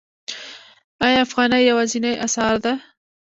آیا افغانۍ یوازینۍ اسعار ده؟